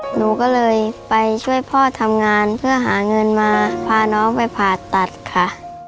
หนูก็เลยไปช่วยพ่อทำงานเพื่อหาเงินมาพาน้องไปผ่าตัดค่ะ